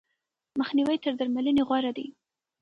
مخنیوی تر درملنې غوره دی.